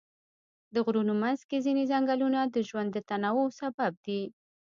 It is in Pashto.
د غرونو منځ کې ځینې ځنګلونه د ژوند د تنوع سبب دي.